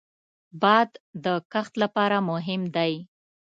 باد د کښت لپاره مهم دی